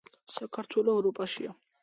საქართველო ევროპაშია